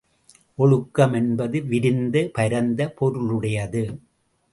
ஒழுக்கம் என்பது விரிந்த பரந்த பொருளுடையது.